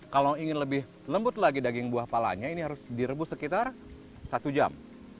kalau ingin lebih lembut lagi daging buah palanya ini harus direbus sekitar satu jam